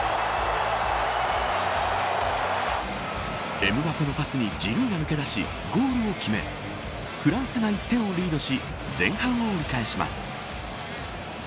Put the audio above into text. エムバペのパスにジルーが抜け出しゴールを決めフランスが１点をリードし前半を折り返します。